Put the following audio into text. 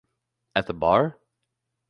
At the bar?